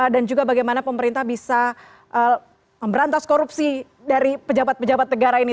dan juga bagaimana pemerintah bisa memberantas korupsi dari pejabat pejabat negara ini